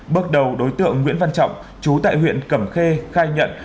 bước đầu đối tượng nguyễn văn trọng chú tại huyện cẩm khê khai nhận